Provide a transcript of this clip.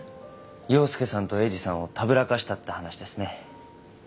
陽介さんと栄治さんをたぶらかしたって話ですね。